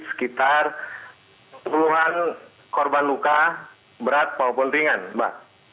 sekitar puluhan korban luka berat maupun ringan mbak